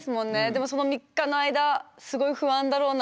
でもその３日の間すごい不安だろうなとか。